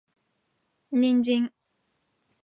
人参